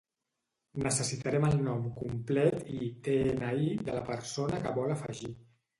Necessitarem el nom complet i de-ena-i de la persona que vol afegir.